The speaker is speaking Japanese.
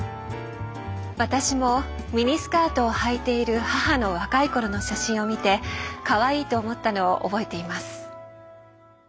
私もミニスカートをはいている母の若い頃の写真を見てかわいいと思ったのを覚えています。